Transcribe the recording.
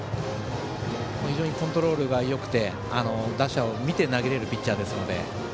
非常にコントロールがよくて打者を見て投げれるピッチャーですので。